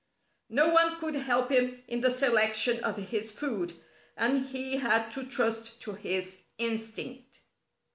No one could help him in the selection of his food, and he had to trust to his instinct.